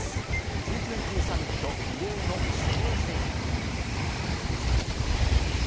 Ｇ２０サミット、異例の首脳宣言。